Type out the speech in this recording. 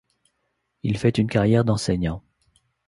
Il fait une carrière d'enseignant.